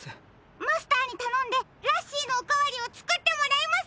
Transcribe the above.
マスターにたのんでラッシーのおかわりをつくってもらいます。